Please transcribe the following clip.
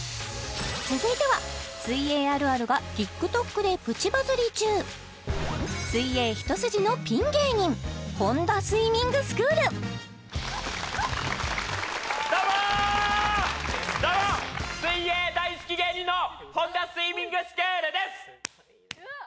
続いては水泳あるあるがＴｉｋＴｏｋでプチバズり中どうもどうも水泳大好き芸人の本多スイミングスクールです